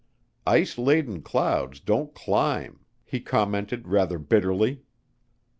Ice laden clouds don't climb, he commented rather bitterly.